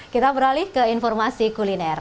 kita beralih ke informasi kuliner